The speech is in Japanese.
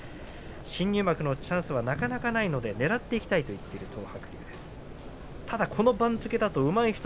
新入幕のチャンスはなかなかないのでねらっていきますと東白龍は語っています。